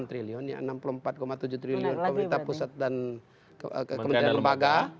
enam puluh empat tujuh triliun komunitas pusat dan kementerian lembaga